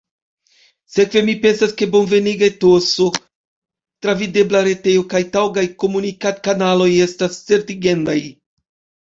Sekve mi pensas ke bonveniga etoso, travidebla retejo kaj taŭgaj komunikadkanaloj estas certigendaj.